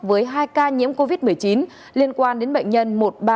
với hai ca nhiễm covid một mươi chín liên quan đến bệnh nhân một nghìn ba trăm bốn mươi bảy